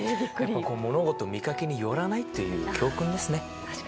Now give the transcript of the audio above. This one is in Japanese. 物事、見かけによらないという教訓ですね。